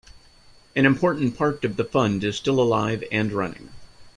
An important part of the fund is still alive and running.